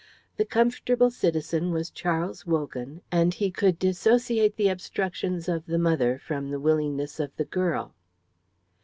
The comfortable citizen was Charles Wogan, and he could dissociate the obstructions of the mother from the willingness of the girl.